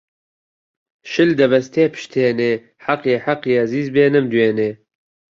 شل دەبەستێ پشتێنێ حەقیە حەقیە زیز بێ نەمدوێنێ